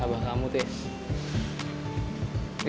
abah kamu tuh ya